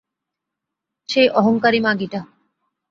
সেই অহংকারী মাগীটা।